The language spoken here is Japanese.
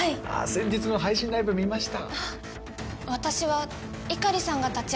先日の配信ライブ見ました